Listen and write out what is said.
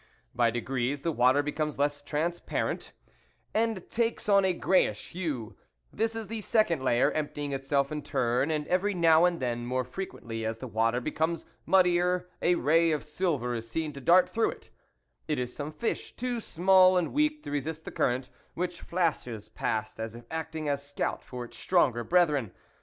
By degrees the water becomes less transparent, and takes on a greyish hue ; this is the second layer, emptying itself in turn, and every now and then, more frequently as the water becomes muddier, a ray of silver is seen to dart through it; it is some fish, too small and weak to resist the current, which flashes past as if acting as scout for its stronger brethren.